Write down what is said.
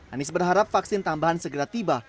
anies berharap vaksin tambahan segera tiba